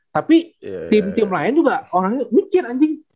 tapi tim tim lain juga orangnya mikir anjing